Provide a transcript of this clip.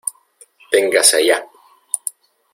¡ ténganse allá!